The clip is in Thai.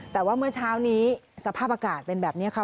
แต่ว่าเมื่อเช้านี้สภาพอากาศเป็นแบบนี้ค่ะ